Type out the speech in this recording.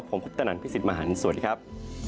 ผมพบตนั่นพี่สิทธิ์มหาลสวัสดีครับ